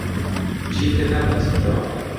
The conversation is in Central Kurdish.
چیتر نامناسیتەوە؟